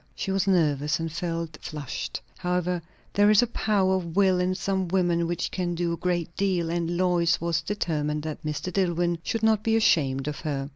She was nervous, and felt flushed. However, there is a power of will in some women which can do a great deal, and Lois was determined that Mr. Dillwyn should not be ashamed of her.